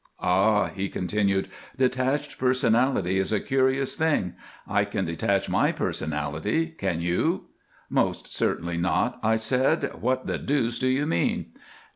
"Ah," he continued, "detached personality is a curious thing. I can detach my personality, can you?" "Most certainly not," I said, "what the deuce do you mean?"